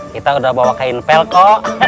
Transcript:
kita udah bawa kain pelko